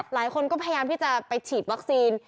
หลายคนก็พยายามที่จะไปฉีดวัคซีน